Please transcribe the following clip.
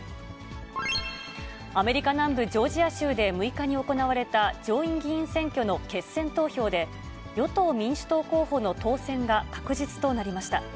アメリカ南部ジョージア州で６日に行われた上院議員選挙の決選投票で、与党・民主党候補の当選が確実となりました。